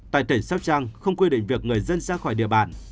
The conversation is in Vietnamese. tại tỉnh sáp trang không quy định việc người dân ra khỏi địa bản